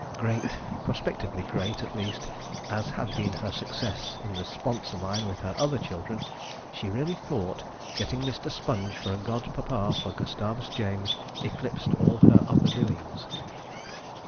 Great prospectively great, at least as had been her successes in the sponsor line with her other children, she really thought, getting Mr. Sponge for a god papa for Gustavus James eclipsed all her other doings.